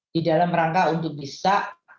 di dalam rangka untuk bisa